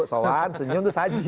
sowan senyum itu saji